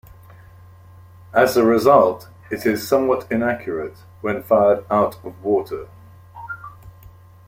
As a result, it is somewhat inaccurate when fired out of water.